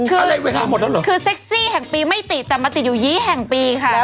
เกิดเย็นไม่ก็ไม่ติดนั้นอีก